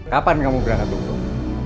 kapan kamu berangkat umroh